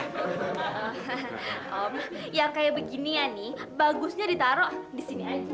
hahaha om ya kayak beginian nih bagusnya ditaro di sini aja